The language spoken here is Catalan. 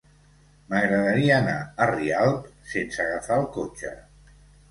M'agradaria anar a Rialp sense agafar el cotxe.